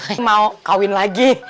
bu messi mau kawin lagi